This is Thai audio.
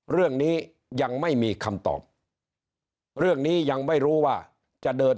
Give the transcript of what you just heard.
เรื่องนี้ยังไม่มีคำตอบเรื่องนี้ยังไม่รู้ว่าจะเดิน